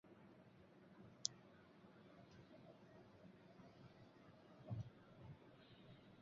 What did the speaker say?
本章节中所示内容均因该栏目已停播而失效